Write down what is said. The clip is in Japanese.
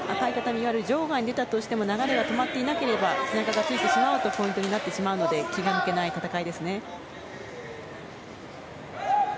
場外に出たとしても流れが止まっていなければ背中がついてしまうとポイントになるので気が抜けない戦いですね。